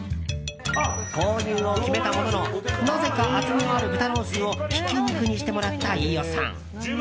購入を決めたもののなぜか厚みのある豚ロースをひき肉にしてもらった飯尾さん。